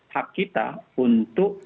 hak kita untuk